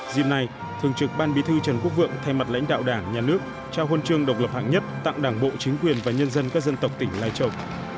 dìm nay thường trực ban bí thư trần quốc vượng thay mặt lãnh đạo đảng nhà nước trao hôn trương độc lập hạng nhất tặng đảng bộ chính quyền và nhân dân các dân tộc tỉnh lai châu